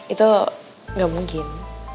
itu gak mungkin